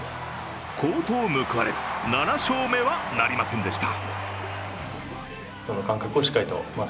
好投報われず７勝目はなりませんでした。